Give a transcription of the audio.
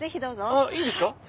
あっいいんですか？